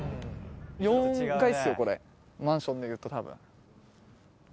４階っすよ、これ、マンションでいうと、たぶん。